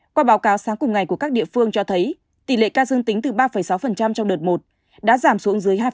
qua báo cáo sáng cùng ngày của các địa phương cho thấy tỷ lệ ca dương tính từ ba sáu trong đợt một đã giảm xuống dưới hai